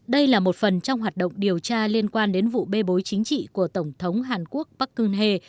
đây là một phần trong hoạt động điều tra liên quan đến vụ bê bối chính trị của tổng thống hàn quốc park kun he